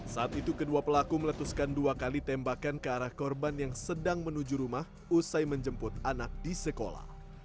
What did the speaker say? saat itu kedua pelaku meletuskan dua kali tembakan ke arah korban yang sedang menuju rumah usai menjemput anak di sekolah